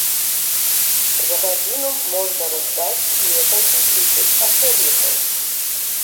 За гадзіну можна раздаць некалькі тысяч асобнікаў.